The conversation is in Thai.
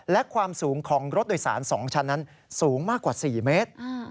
และความสูงของรถโดยสาร๒ชั้นนั้นสูงมากกว่า๔เมตร